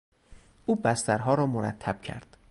او بسترها را مرتب کرد.